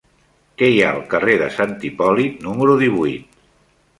Què hi ha al carrer de Sant Hipòlit número divuit?